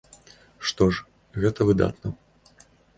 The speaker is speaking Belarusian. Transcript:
Што ж, гэта выдатна.